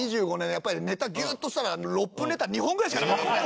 やっぱりネタギュッとしたら６分ネタ２本ぐらいしかなかったですね。